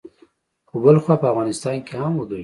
خو بلخوا په افغانستان کې عام وګړي